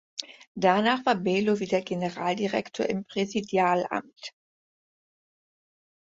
Danach war Belo wieder Generaldirektor im Präsidialamt.